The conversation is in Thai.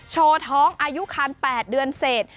โชว์ท้องอายุคัน๘เดือนเสร็จ